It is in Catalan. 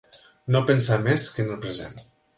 No pensar més que en el present.